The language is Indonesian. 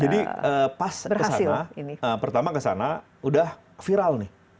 jadi pas kesana pertama kesana udah viral nih